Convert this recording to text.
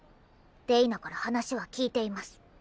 れいなから話は聞いています。